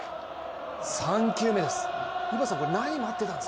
３球目です。